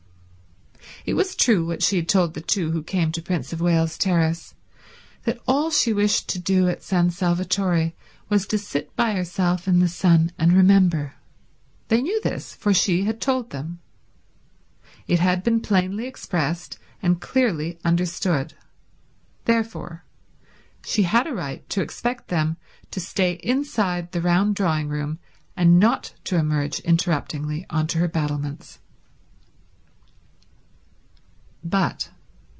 It was true what she had told the two who came to Prince of Wales Terrace, that all she wished to do at San Salvatore was to sit by herself in the sun and remember. They knew this, for she had told them. It had been plainly expressed and clearly understood. Therefore she had a right to expect them to stay inside the round drawing room and not to emerge interruptingly on to her battlements.